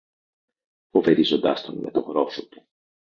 φοβερίζοντας τον με το γρόθο του.